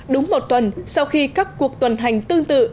đúng một tuần sau khi các cuộc tuần hành tương tự